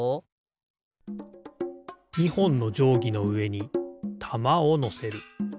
２ほんのじょうぎのうえにたまをのせる。